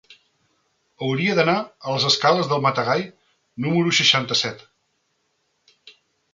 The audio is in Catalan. Hauria d'anar a les escales del Matagalls número seixanta-set.